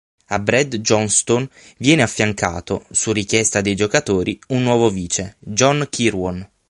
A Brad Johnstone viene affiancato, su richiesta dei giocatori, un nuovo vice, John Kirwan.